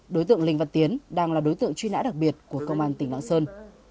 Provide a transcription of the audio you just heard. đối tượng linh văn tiến đang là đối tượng truy nã đặc biệt của công an tỉnh lạng sơn